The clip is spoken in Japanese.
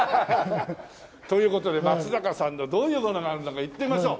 という事で松坂さんのどういうものがあるんだか行ってみましょう。